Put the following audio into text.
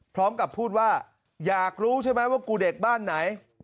พร้อมกับพูดว่าอยากรู้ใช่ไหมว่ากูเด็กบ้านไหน